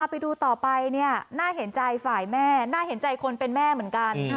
ไปดูต่อไปน่าเห็นใจฝ่ายแม่น่าเห็นใจคนเป็นแม่เหมือนกัน